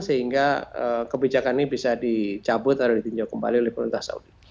sehingga kebijakan ini bisa dicabut atau ditinjau kembali oleh pemerintah saudi